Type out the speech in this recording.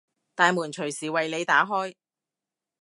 大門隨時為你打開